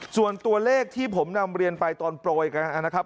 ส่วนตัวเลขที่ผมนำเรียนไปตอนโปรยกันนะครับ